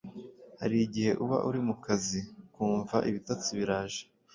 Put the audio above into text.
Hari igihe uba uri mu kazi ukumva ibitotsi biraje